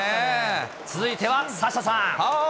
続いてはサッシャさん。